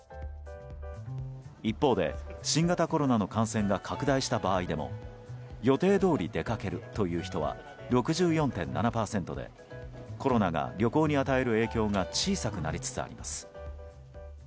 一方で新型コロナの感染が拡大した場合でも予定どおり出かけるという人は６４．７％でコロナが旅行に与える影響が小さくなりつつあります。